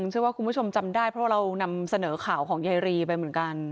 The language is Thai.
เชื่อว่าคุณผู้ชมจำได้เพราะเรานำเสนอข่าวของยายรีไปเหมือนกัน